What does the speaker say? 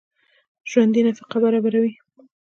ژوندي نفقه برابروي